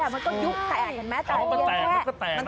ไม่แน่ใจ